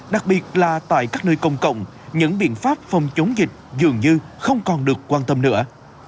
đặc biệt là tại các nơi công cộng những biện pháp phòng chống dịch dường như không còn được quan tâm nữa